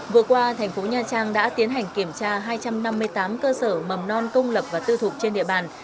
vừa qua thành phố nha trang đã tiến hành kiểm tra hai trăm năm mươi tám cơ sở mầm non công lập và tư thục trên địa bàn